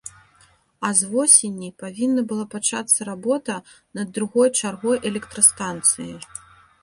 А з восені павінна была пачацца работа над другой чаргой электрастанцыі.